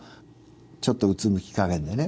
ちょっとうつむき加減でね